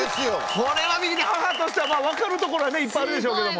これはミキティー母としては分かるところはねいっぱいあるでしょうけども。